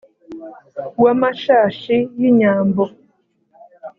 w’amashashi y’inyambo